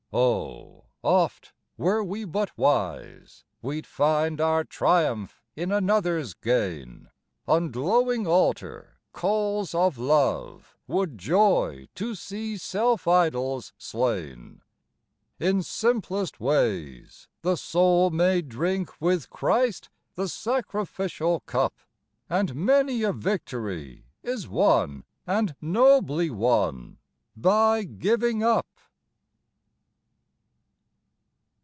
Oh oft, were we but wise, we'd find Our triumph in another's gain; On glowing altar coals of love Would joy to see self idols slain. In simplest ways the soul may drink With Christ the sacrificial cup, And many a victory is won, And nobly won, by 'giving up.'